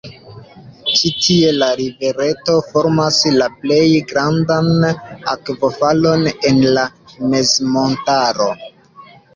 Ĉi-tie la rivereto formas la plej grandan akvofalon en la mezmontaro.